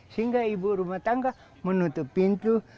sehingga ibu rumah tangga menutup pintu